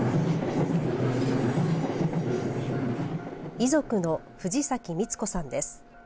遺族の藤崎光子さんです。